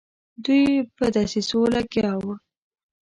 دوی په دسیسو لګیا وه.